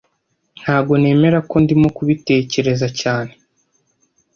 Ntago nemera ko ndimo kubitekereza cyane